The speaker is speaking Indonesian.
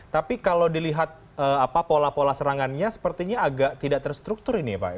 tapi kalau dilihat pola pola serangannya sepertinya agak tidak terstruktur ini ya pak